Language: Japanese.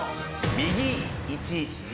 右１！